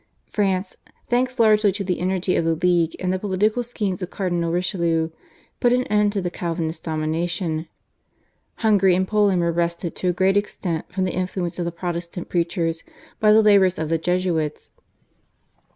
France, thanks largely to the energy of the League and the political schemes of Cardinal Richelieu, put an end to the Calvinist domination. Hungary and Poland were wrested to a great extent from the influence of the Protestant preachers by the labours of the Jesuits.